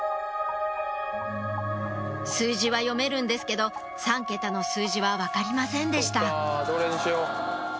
数字は読めるんですけど３桁の数字は分かりませんでした